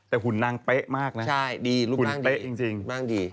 แต่หุ่นนางเป๊ะมากนะหุ่นเป๊ะจริง